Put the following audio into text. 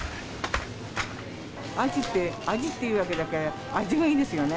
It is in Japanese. アジって、アジっていうだけあって、味がいいですよね。